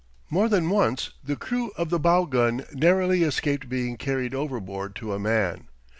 More than once the crew of the bow gun narrowly escaped being carried overboard to a man.